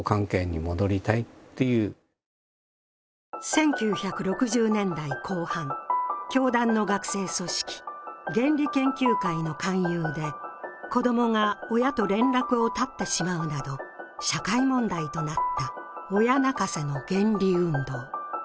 １９６０年代後半、教団の学生組織、原理研究会の勧誘で子供が親と連絡を絶ってしまうなど社会問題となった親泣かせの原理運動。